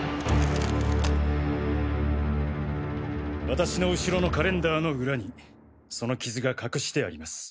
私の後ろのカレンダーの裏にそのキズが隠してあります。